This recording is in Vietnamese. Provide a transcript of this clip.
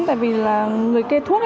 tại vì là người kê thuốc